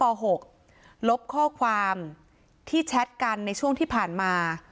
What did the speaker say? น้องนักเรียนหญิงชั้นป๖ลบข้อความที่แชทกันในช่วงที่ผ่านมา